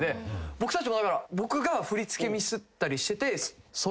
僕たちもだから僕が振り付けミスったりしてて揃ってない。